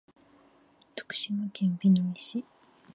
徳島県美波町